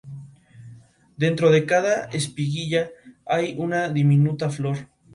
Dentro de cada espiguilla hay una diminuta flor.